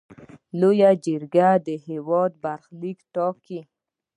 لویه جرګه د هیواد برخلیک ټاکي.